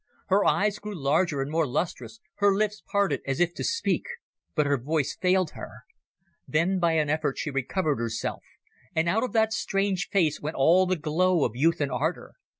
Her eyes grew larger and more lustrous, her lips parted as if to speak, but her voice failed her. Then by an effort she recovered herself, and out of that strange face went all the glow of youth and ardour.